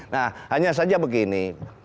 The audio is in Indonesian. nah hanya saja begini